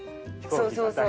そうそうそう。